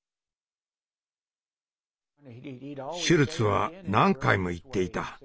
シュルツは何回も言っていた。